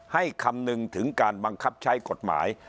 คำนึงถึงการบังคับใช้กฎหมาย